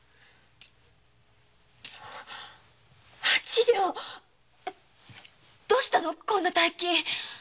あッ八両どうしたのこんな大金！？